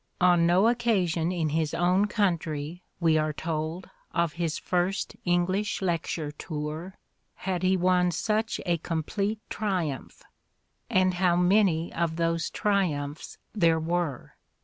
"On no occasion in his own country," we are told, of his first English lecture tour, "had he won such a complete triumph"; and how many of those triumphs there were!